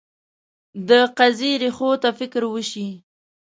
د قضیې ریښو ته فکر وشي.